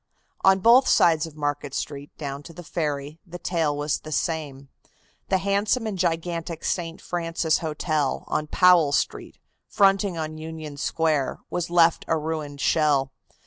On both sides of Market Street, down to the ferry, the tale was the same. The handsome and gigantic St. Francis Hotel, on Powell Street, fronting on Union Square, was left a ruined shell.